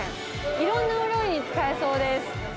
いろんなお料理に使えそうです。